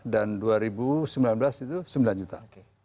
dan dua ribu sembilan belas itu sembilan juta